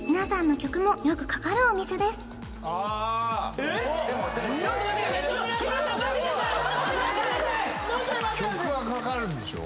曲がかかるんでしょう？